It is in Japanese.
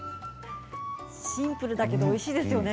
シンプルだけどおいしいですよね。